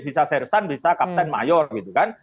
bisa sersan bisa kapten mayor gitu kan